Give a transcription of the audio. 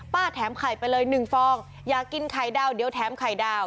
แถมไข่ไปเลยหนึ่งฟองอยากกินไข่ดาวเดี๋ยวแถมไข่ดาว